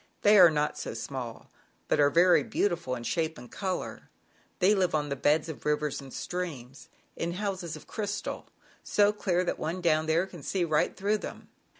They are not so small, but are very beautiful in shape and color. They live on the beds of rivers and streams, in houses of crystal, so clear that one down there can see right through them.